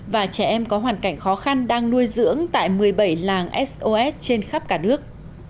và trẻ em có hoàn cảnh khó khăn đang nuôi dưỡng tại một mươi bảy làng sos trên khắp cả nước